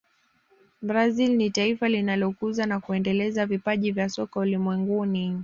brazil ni taifa linalokuza na kuendeleza vipaji vya soka ulimwenguni